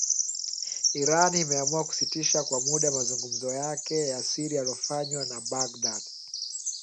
Iran imeamua kusitisha kwa muda mazungumzo yake ya siri yaliyofanywa na Baghdad